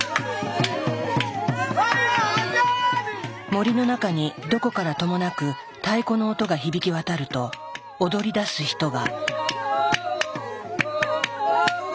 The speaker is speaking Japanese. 森の中にどこからともなく太鼓の音が響き渡ると踊りだす人が。